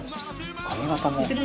「髪形も。